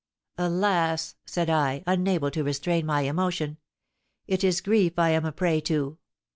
"Alas!" said I, unable to restrain my emotion, "it is grief I am a prey to!"